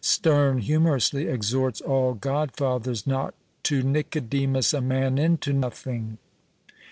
Sterne humorously exhorts all godfathers not "to Nicodemus a man into nothing."